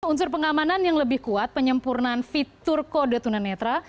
unsur pengamanan yang lebih kuat penyempurnaan fitur kode tunanetra